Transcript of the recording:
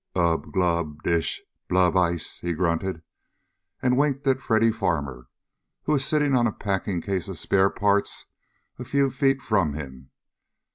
"Ub glub dish blub ice," he grunted, and winked at Freddy Farmer, who was sitting on a packing case of spare parts a few feet from him.